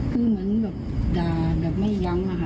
คือเหมือนแบบด่าแบบไม่ยั้งอะค่ะ